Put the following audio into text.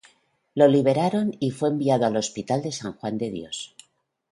Lo liberaron y fue enviado al hospital de San Juan de Dios.